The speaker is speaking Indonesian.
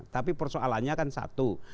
namanya kan satu